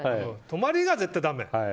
泊まりが絶対だめ。